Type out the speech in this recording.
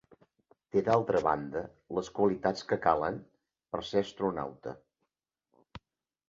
Té d'altra banda les qualitats que calen per ser astronauta.